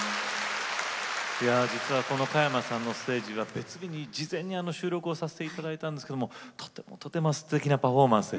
実はこの加山さんのステージは別日に事前に収録をさせていただいたんですけれどもとてもとてもすてきなパフォーマンス